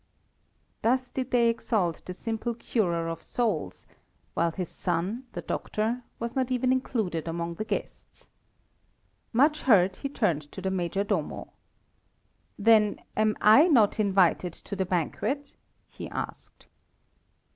Thus did they exalt the simple curer of souls, while his son, the doctor, was not even included among the guests. Much hurt he turned to the Major Domo. "Then am I not invited to the banquet?" he asked.